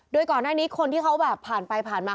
โดยก่อนหน้านี้คนที่เขาแบบผ่านไปผ่านมา